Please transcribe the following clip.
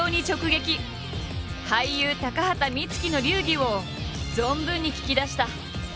俳優高畑充希の流儀を存分に聞き出した。